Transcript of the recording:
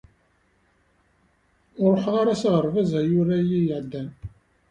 Ur ruḥeɣ ara s aɣerbaz ayyur-ayi iɛeddan.